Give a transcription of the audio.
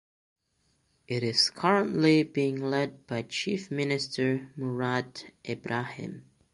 It is currently being led by Chief Minister Murad Ebrahim.